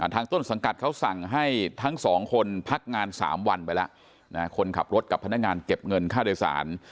ต้นสังกัดเขาสั่งให้ทั้งสองคนพักงาน๓วันไปแล้วคนขับรถกับพนักงานเก็บเงินค่าโดยสาร